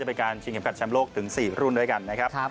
เป็นการชิงเข็มขัดแชมป์โลกถึง๔รุ่นด้วยกันนะครับ